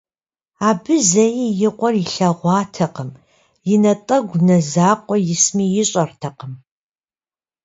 Абы зэи и къуэр илъэгъуатэкъым, и натӏэгу нэ закъуэ исми ищӏэртэкъым.